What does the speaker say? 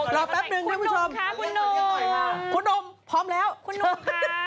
รอแปปนึงนะคุณผู้ชมคุณหนุ่มคุณหนุ่มพร้อมแล้วคุณหนุ่มคะ